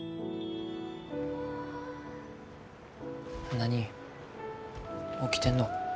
何起きてんの。